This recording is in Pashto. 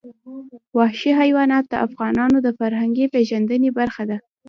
وحشي حیوانات د افغانانو د فرهنګي پیژندنې برخه ده.